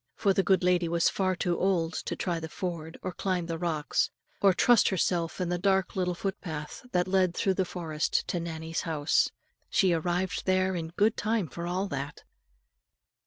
For the good lady was far too old to try the ford, or climb the rocks, or trust herself in the dark little footpath, that led through the forest to Nannie's house. She arrived there in good time for all that.